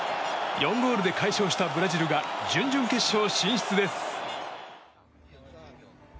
４ゴールで快勝したブラジルが準々決勝進出です。